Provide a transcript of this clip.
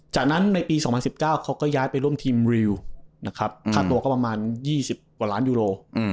จากนั้นในปี๒๐๑๙เขาก็ย้ายไปร่วมทีมริวนะครับค่าตัวก็ประมาณ๒๐กว่าล้านยูโร